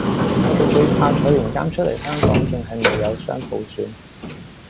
我地最怕坐完監出黎香港仲係未有雙普選